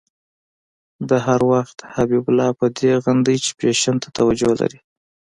ده هر وخت حبیب الله په دې غندی چې فېشن ته توجه لري.